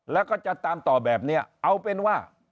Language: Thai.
แล้วก็จะตามต่อแบบนี้เอาเป็นว่า